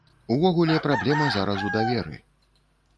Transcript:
Увогуле праблема зараз у даверы.